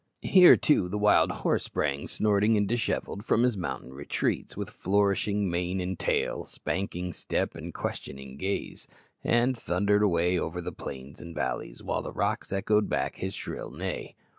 Here, too, the wild horse sprang snorting and dishevelled from his mountain retreats with flourishing mane and tail, spanking step, and questioning gaze and thundered away over the plains and valleys, while the rocks echoed back his shrill neigh.